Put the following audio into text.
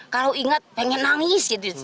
kalau ingat pengen nangis gitu